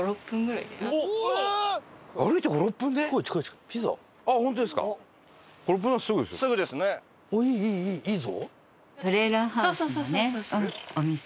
いいぞ！